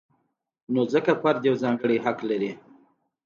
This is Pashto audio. نو ځکه فرد یو ځانګړی حق لري.